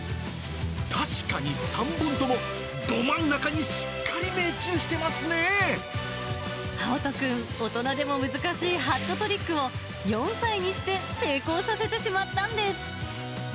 確かに３本ともど真ん中にしあおとくん、大人でも難しいハットトリックを、４歳にして成功させてしまったんです。